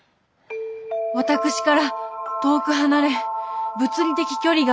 私から遠く離れ物理的距離が空いたために。